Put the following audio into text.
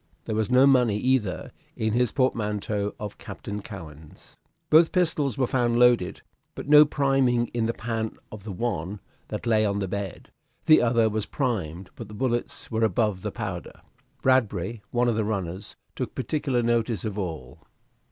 There was no money either in his portmanteau of Captain Cowen's. Both pistols were found loaded, but no priming in the pan of the one that lay on the bed; the other was primed, but the bullets were above the powder. Bradbury, one of the runners, took particular notice of all.